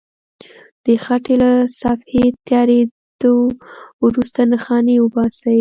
د خټې له صفحې تیارېدو وروسته نښانې وباسئ.